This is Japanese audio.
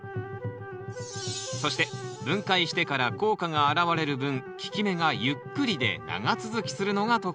そして分解してから効果が表れる分効き目がゆっくりで長続きするのが特徴。